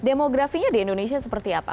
demografinya di indonesia seperti apa